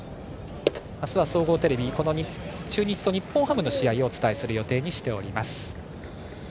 明日は総合テレビでこの中日と日本ハムの試合をお伝えする予定にしております。